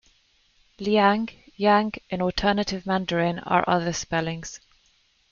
Liang, Yang in alternative mandarin are other spellings.